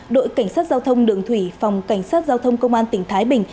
đội cảnh sát giao thông đường thủy phòng cảnh sát giao thông công an tỉnh thái bình